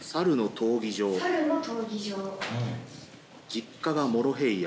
実家がモロヘイヤ。